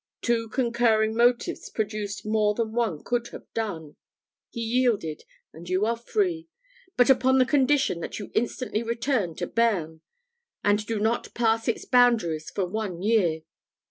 Two concurring motives produced more than one could have done. He yielded, and you are free; but upon the condition that you instantly return to Bearn, and do not pass its boundaries for one year.